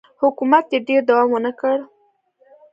حکومت یې ډېر دوام ونه کړ.